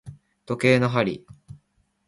時計の針